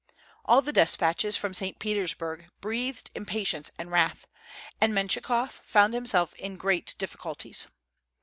All the despatches from. St. Petersburg breathed impatience and wrath, and Mentchikof found himself in great difficulties.